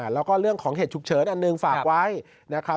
แล้วก็เรื่องของเหตุฉุกเฉินอันหนึ่งฝากไว้นะครับ